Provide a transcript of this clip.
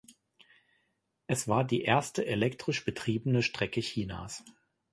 Es war die erste elektrisch betriebene Strecke Chinas.